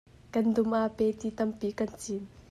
Kan dum ah peti tampi kan cin.